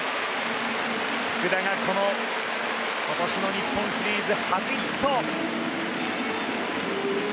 福田が今年の日本シリーズ初ヒット。